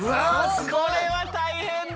これは大変だ。